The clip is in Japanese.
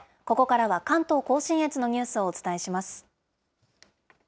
ここからは関東甲信越のニュースをお伝えします。